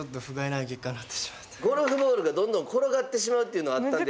ゴルフボールがどんどん転がってしまうというのがあったんで。